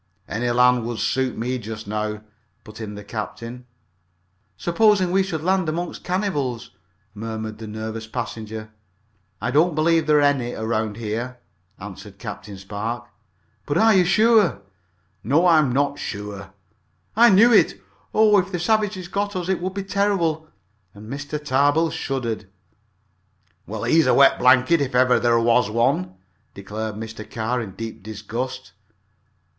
"Any land would suit me just now," put in the captain. "Supposing we should land among cannibals!" murmured the nervous passenger. "I don't believe there are any around here," answered Captain Spark. "But are you sure?" "No, I am not sure." "I knew it! Oh, if the savages got us it would be terrible!" And Mr. Tarbill shuddered. "Well, he's a wet blanket, if ever there was one!" declared Mr. Carr, in deep disgust.